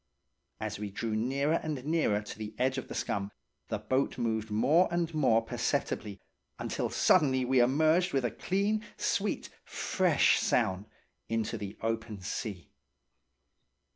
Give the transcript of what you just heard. As we drew nearer and nearer to the edge of the scum, the boat moved more and more perceptibly, until suddenly we emerged with a clean, sweet, fresh sound into the open sea.